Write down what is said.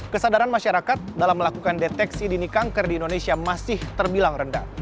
kesadaran masyarakat dalam melakukan deteksi dini kanker di indonesia masih terbilang rendah